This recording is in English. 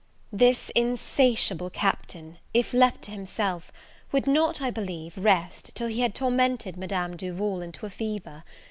THIS insatiable Captain, if left to himself, would not, I believe, rest, till he had tormented Madame Duval into a fever.